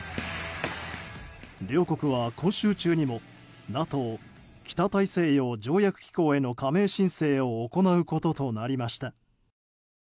両国は今週中にもＮＡＴＯ・北大西洋条約機構への加盟申請を行うこととなりました。